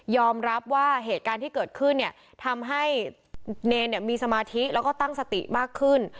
ยอมรับว่าเหตุการณ์ที่เกิดขึ้นเนรนมีสมาธิและตั้งสติมากขึ้น